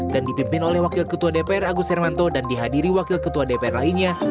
dan dipimpin oleh wakil ketua dpr agus hermanto dan dihadiri wakil ketua dpr lainnya